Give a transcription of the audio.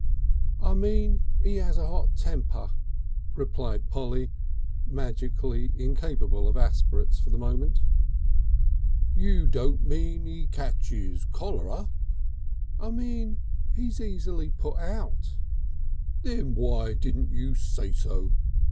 "I mean 'E 'As a 'Ot temper," replied Polly, magically incapable of aspirates for the moment. "You don't mean 'E ketches cholera." "I mean he's easily put out." "Then why can't you say so?"